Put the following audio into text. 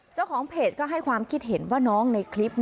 เจ้าของเพจก็ให้ความคิดเห็นว่าน้องในคลิป